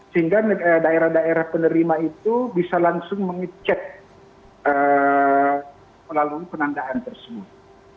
sehingga daerah daerah penerima itu bisa langsung mengecek melalui penandaan tersebut